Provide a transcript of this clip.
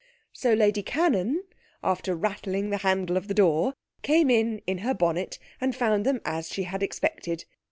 So Lady Cannon, after rattling the handle of the door, came in in her bonnet, and found them, as she had expected.